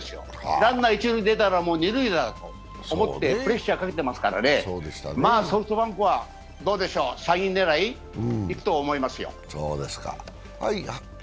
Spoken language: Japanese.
ランナーが一塁出たら、二塁にプレッシャーかけてますからね、ソフトバンクは３位狙い、いくと思いますよ。